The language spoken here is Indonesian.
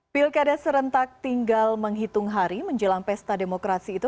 pilkada serentak tinggal menghitung hari menjelang pesta demokrasi itu